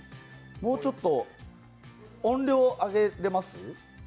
もうちょっと音量、上げれます？